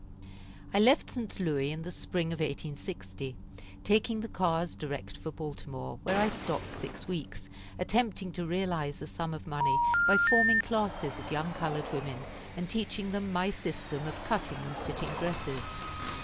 I left St. Louis in the spring of 1860, taking the cars direct for Baltimore, where I stopped six weeks, attempting to realize a sum of money by forming classes of young colored women, and teaching them my system of cutting and fitting dresses.